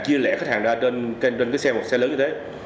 chia lẻ khách hàng ra trên xe lớn như thế